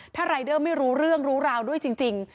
ถ้ารายเดอร์ไม่รู้เรื่องรู้ราวด้วยจริง